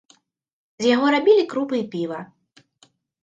З яго рабілі крупы і піва.